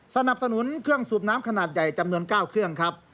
สนับสนุนเครื่องสูบน้ำขนาดใหญ่จำนวน๙เครื่องครับ